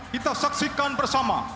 kita saksikan bersama